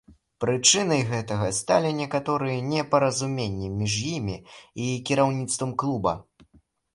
Прычынай гэтага сталі некаторыя непаразуменні між імі і кіраўніцтвам клуба.